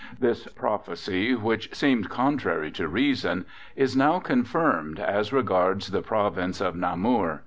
This prophecy, which seemed contrary to reason, is now confirmed as regards the Province of Namur.